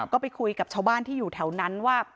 ก็ไปคุยกับชาวบ้านที่อยู่แถวนั้นว่า